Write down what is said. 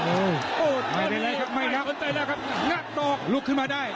โอ้โหไม่เป็นไรครับไม่น่าสนใจแล้วครับงัดดอกลุกขึ้นมาได้